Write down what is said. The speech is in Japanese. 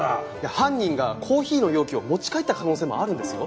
犯人がコーヒーの容器を持ち帰った可能性もあるんですよ。